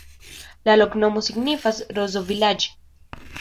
La loknomo signifas: rozo-vilaĝ'.